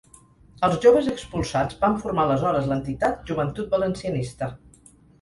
Els joves expulsats van formar aleshores l'entitat Joventut Valencianista.